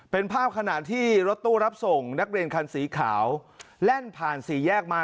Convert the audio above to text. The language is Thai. เป็นภาพขณะที่รถตู้รับส่งนักเรียนคันสีขาวแล่นผ่านสี่แยกมา